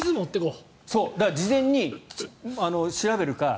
事前に調べるか